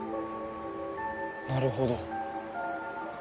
なるほど。